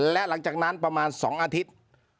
และหลังจากนั้นประมาณ๒อาทิตย์